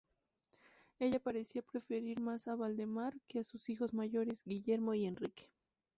Ella parecía preferir más a Valdemar que a sus hijos mayores, Guillermo y Enrique.